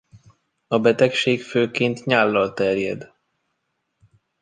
A betegség főként nyállal terjed.